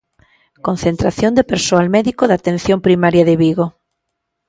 Concentración de persoal médico de Atención Primaria de Vigo.